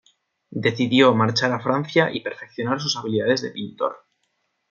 Decidió marchar a Francia y perfeccionar sus habilidades de pintor.